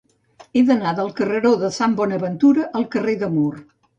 He d'anar del carreró de Sant Bonaventura al carrer de Mur.